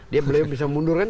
dia bisa mundur kan